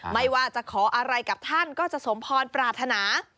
ไม่ว่าจะขออะไรกับท่านก็จะสมพรปรารถนา